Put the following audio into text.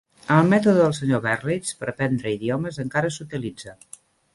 El mètode del Sr. Berlitz per aprendre idiomes encara s"utilitza.